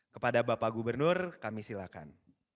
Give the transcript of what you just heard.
kepada bapak gubernur kami silakan